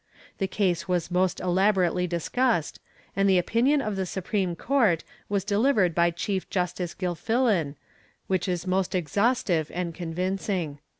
The case was most elaborately discussed, and the opinion of the supreme court was delivered by Chief Justice Gilfillan, which is most exhaustive and convincing.